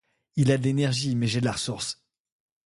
Il a de l’énergie mais j’ai de la ressource.